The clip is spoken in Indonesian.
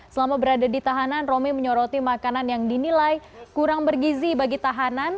selama berada di tahanan romi menyoroti makanan yang dinilai kurang bergizi bagi tahanan